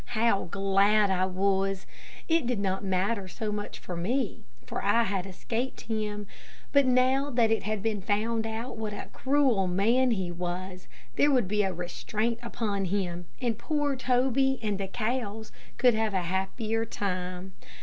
How glad I was! It did not matter so much for me, for I had escaped him, but now that it had been found out what a cruel man he was, there would be a restraint upon him, and poor Toby and the cows would have a happier time.